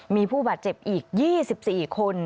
มีผู้บาดเจ็บอีก๒๔คน